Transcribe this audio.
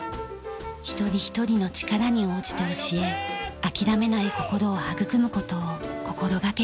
一人一人の力に応じて教え諦めない心を育む事を心がけています。